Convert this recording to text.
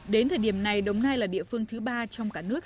đến thời điểm này đồng nai là địa phương thứ ba trong cả nước